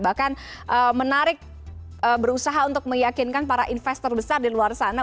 bahkan menarik berusaha untuk meyakinkan para investor besar di luar sana